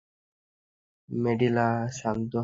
Melinda - শান্ত হও, Melinda.